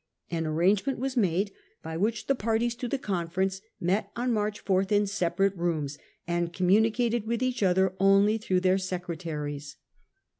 An arrangement was made by which the parties to the conference met on March 4 in separate rooms, and communicated with each other only through their secretaries.